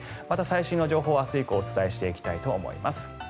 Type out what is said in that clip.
また最新の情報を明日以降お伝えしていきたいと思います。